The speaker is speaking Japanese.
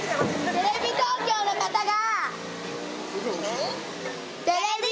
テレビ東京の方が。